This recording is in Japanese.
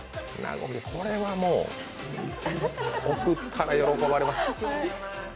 これはもう、贈ったら喜ばれます。